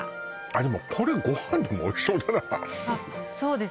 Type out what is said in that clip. でもこれご飯でもおいしそうだなそうです